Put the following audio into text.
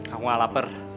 aku gak lapar